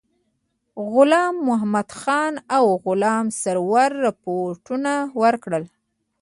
غلام محمدخان او غلام سرور رپوټونه ورکړل.